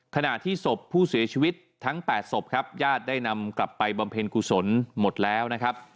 ขณะที่ศพผู้เสียชีวิตทั้ง๘ศพครับญาติได้นำกลับไปบำเพ็ญกุศลหมดแล้วนะครับ